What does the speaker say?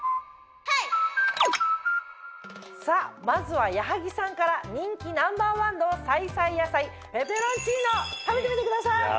さぁまずは矢作さんから人気ナンバーワンの彩々野菜ペペロンチーノ食べてみてください！